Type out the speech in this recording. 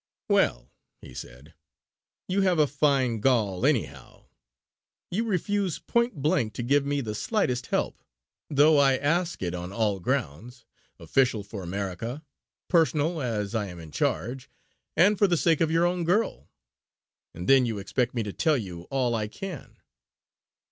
"Well," he said, "you have a fine gall anyhow! You refuse point blank to give me the slightest help, though I ask it on all grounds, official for America, personal as I am in charge, and for the sake of your own girl; and then you expect me to tell you all I can.